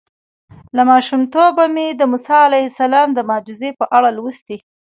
له ماشومتوبه مې د موسی علیه السلام د معجزو په اړه لوستي.